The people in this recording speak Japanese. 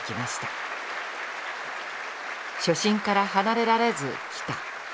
初心から離れられずきた。